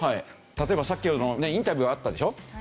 例えばさっきのインタビューあったでしょ。